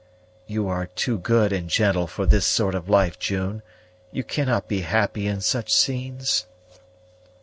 "You are too good and gentle for this sort of life, June; you cannot be happy in such scenes?"